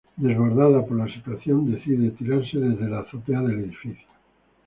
Desbordada por la situación, decide tirarse desde la azotea del edificio.